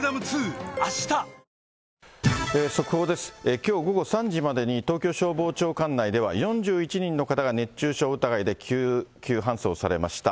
きょう午後３時までに、東京消防庁管内では、４１人の方が熱中症疑いで救急搬送されました。